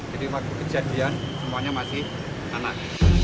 jadi waktu kejadian semuanya masih anak